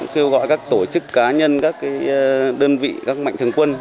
kêu gọi các tổ chức cá nhân các đơn vị các mạnh thường quân